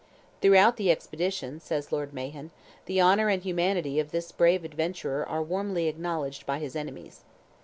"Throughout the expedition," says Lord Mahon, "the honour and humanity of this brave adventurer are warmly acknowledged by his enemies."